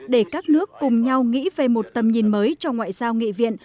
để các nước cùng nhau nghĩ về một tầm nhìn mới trong ngoại giao nghị viện